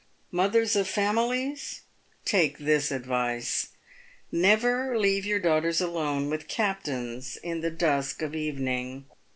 Mothers of families take this advice, never leave your daughters alone with captains in the dusk of evening.